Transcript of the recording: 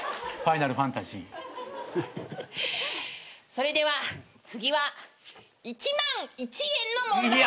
それでは次は１万１円の問題です。